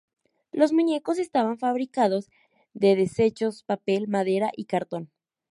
Los muñecos estaban fabricados de desechos, papel, madera y cartón.